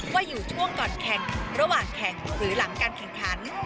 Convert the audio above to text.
ว่าอยู่ช่วงก่อนแข่งระหว่างแข่งหรือหลังการแข่งขัน